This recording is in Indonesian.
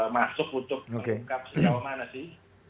masuk untuk mengungkap sejauh mana sih